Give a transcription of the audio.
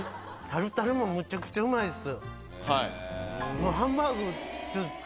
タルタルもむちゃくちゃうまいです。